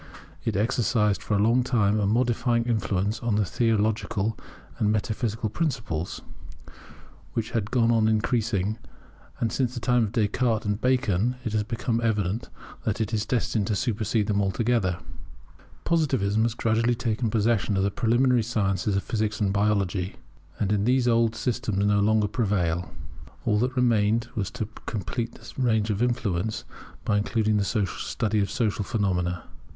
It exercised for a long time a modifying influence upon theological and metaphysical principles, which has gone on increasing; and since the time of Descartes and Bacon it has become evident that it is destined to supersede them altogether. Positivism has gradually taken possession of the preliminary sciences of Physics and Biology, and in these the old system no longer prevails. All that remained was to complete the range of its influence by including the study of social phenomena.